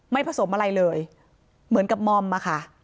ผสมอะไรเลยเหมือนกับมอมอะค่ะ